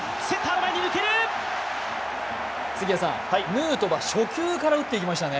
ヌートバー、初球から打っていきましたね。